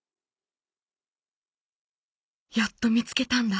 「やっと見つけたんだ。